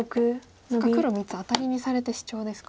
そっか黒３つアタリにされてシチョウですか。